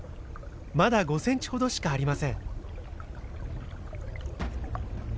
まだ５センチほどしかありません。